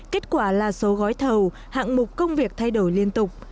kết quả là số gói thầu hạng mục công việc thay đổi liên tục